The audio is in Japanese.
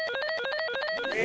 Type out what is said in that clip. え！